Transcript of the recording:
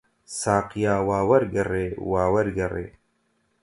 ساقییا، وا وەرگەڕێ، وا وەرگەڕێ!